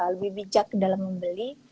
lebih bijak dalam membeli